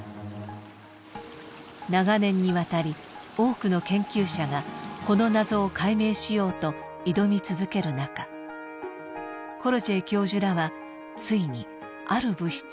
長年にわたり多くの研究者がこの謎を解明しようと挑み続けるなかコロジェイ教授らはついにある物質にたどり着きます。